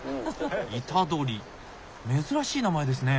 イタドリ珍しい名前ですね。